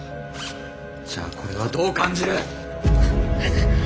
じゃあこれはどう感じる⁉